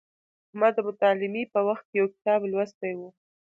ما د متعلمۍ په وخت کې یو کتاب لوستی و.